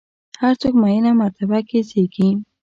هر څوک معینه مرتبه کې زېږي.